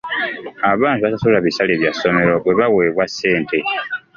Abaana tebasasula bisale bya ssomero bwe baweebwa ssente.